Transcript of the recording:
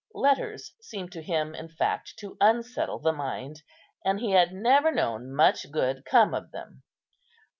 Letters seemed to him in fact to unsettle the mind; and he had never known much good come of them.